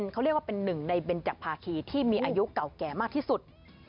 เขาเรียกว่าเป็นหนึ่งในเบนจักรภาคีที่มีอายุเก่าแก่มากที่สุด